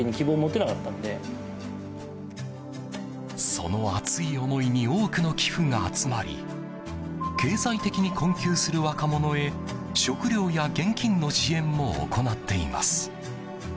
その熱い思いに多くの寄付が集まり経済的に困窮する若者へ食料や現金の支援も行っています。